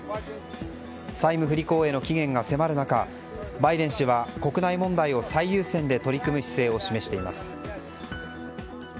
債務不履行への期限が迫る中バイデン氏は国内問題を最優先で取り組む姿勢を示しています。